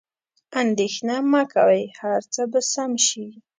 اندیښنه مه کوئ، هر څه به سم شي.